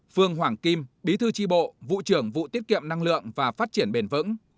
phương hoàng kim bí thư tri bộ vụ trưởng vụ tiết kiệm năng lượng và phát triển bền vững